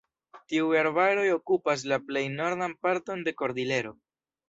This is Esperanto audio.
Tiuj arbaroj okupas la plej nordan parton de Kordilero.